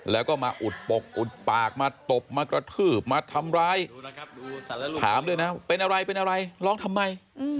แล้วก็มาอุดปกอุดปากมาตบมากระทืบมาทำร้ายถามด้วยนะเป็นอะไรเป็นอะไรร้องทำไม